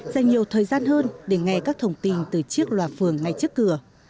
dành nhiều thời gian hơn để nghe các thông tin từ chiếc loa phường ngay trước cửa